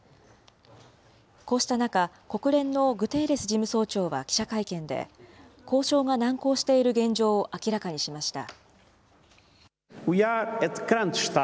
こうした中、国連のグテーレス事務総長は記者会見で、交渉が難航している現状を明らかにしました。